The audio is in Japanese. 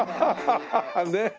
ねえ。